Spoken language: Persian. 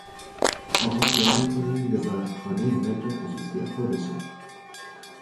آقا خیال میکنه این وزارتخانه ملک خصوصی خودشه!